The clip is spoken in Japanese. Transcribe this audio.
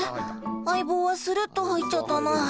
相棒はするっと入っちゃったな。